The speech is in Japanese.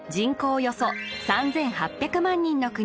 およそ３８００万人の国